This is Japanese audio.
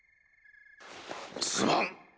すまん！